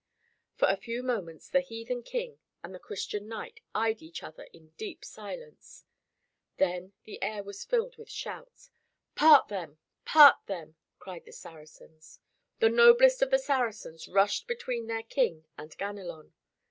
For a few moments the heathen King and the Christian knight eyed each other in deep silence. Then the air was filled with shouts. "Part them, part them!" cried the Saracens. The noblest of the Saracens rushed between their King and Ganelon.